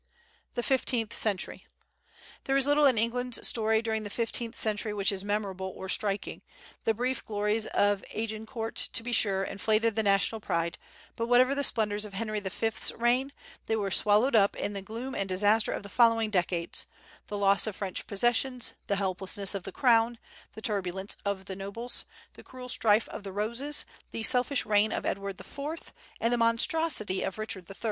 The Fifteenth Century. There is little in England's story during the fifteenth century which is memorable or striking. The brief glories of Agincourt, to be sure, inflated the national pride, but whatever the splendors of Henry V's reign, they were swallowed up in the gloom and disaster of the following decades the loss of French possessions, the helplessness of the crown, the turbulence of the nobles, the cruel strife of the Roses, the selfish reign of Edward IV, and the monstrosity of Richard III.